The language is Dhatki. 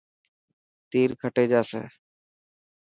تير کٽي جاسي.